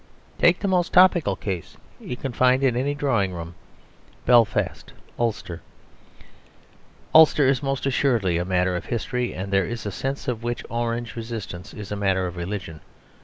Take the most topical case you can find in any drawing room: Belfast. Ulster is most assuredly a matter of history; and there is a sense in which Orange resistance is a matter of religion.